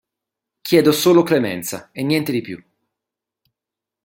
Chiedo solo clemenza e niente di più.".